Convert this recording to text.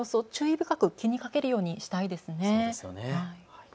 深く気にかけるようにしたいですね。